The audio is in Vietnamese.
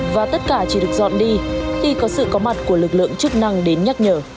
và tất cả chỉ được dọn đi khi có sự có mặt của lực lượng chức năng đến nhắc nhở